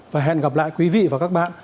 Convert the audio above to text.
và hẹn gặp lại quý vị và các bạn